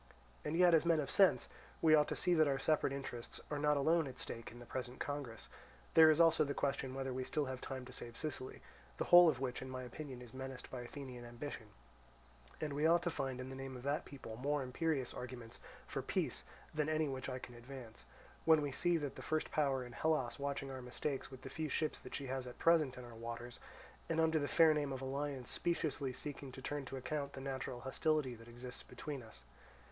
And yet, as men of sense, we ought to see that our separate interests are not alone at stake in the present congress: there is also the question whether we have still time to save Sicily, the whole of which in my opinion is menaced by Athenian ambition; and we ought to find in the name of that people more imperious arguments for peace than any which I can advance, when we see the first power in Hellas watching our mistakes with the few ships that she has at present in our waters, and under the fair name of alliance speciously seeking to turn to account the natural hostility that exists between us.